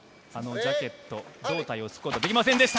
ジャケット、胴体を突くことができませんでした。